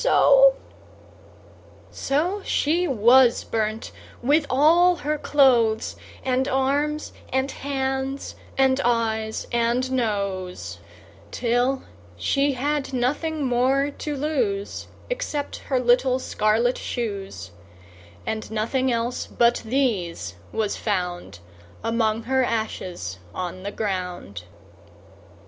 So she was burnt, with all her clothes, And arms, and hands, and eyes, and nose; Till she had nothing more to lose Except her little scarlet shoes; And nothing else but these was found Among her ashes on the ground.